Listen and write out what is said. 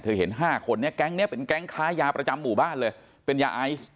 เห็น๕คนนี้แก๊งนี้เป็นแก๊งค้ายาประจำหมู่บ้านเลยเป็นยาไอซ์